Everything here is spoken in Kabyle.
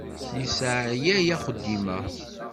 Yesseɛyay uxeddim-a.